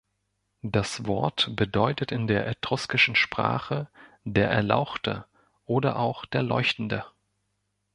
Das Wort bedeutet in der etruskischen Sprache der Erlauchte oder auch der Leuchtende.